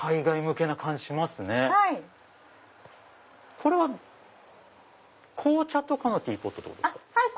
これは紅茶とかのティーポットということですか？